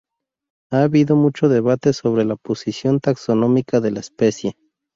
Ha habido mucho debate sobre la posición taxonómica de la especie.